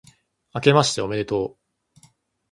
あけましておめでとう